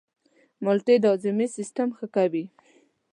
مالټې د هاضمې سیستم ښه کوي.